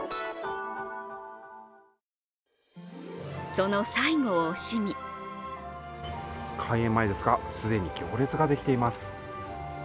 その最後を惜しみ開園前ですが既に行列ができています。